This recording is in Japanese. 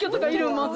まず。